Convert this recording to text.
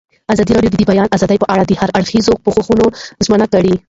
ازادي راډیو د د بیان آزادي په اړه د هر اړخیز پوښښ ژمنه کړې.